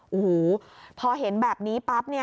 โอ้โหพอเห็นแบบนี้ปั๊บ